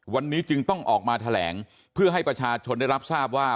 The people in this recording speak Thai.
วันนี้จึงต้องออกมาแถลงเพื่อให้ประชาชนได้รับทราบว่า